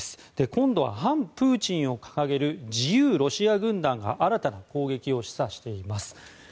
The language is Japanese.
今度は反プーチンを掲げる自由ロシア軍団が新たな攻撃を示唆しています。